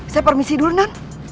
saya permisi dulu non